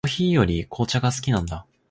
コーヒーより紅茶が好きなんだ。